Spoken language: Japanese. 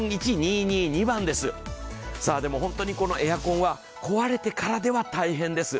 でも本当にこのエアコンは壊れてからでは大変です。